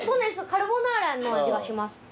カルボナーラの味がします。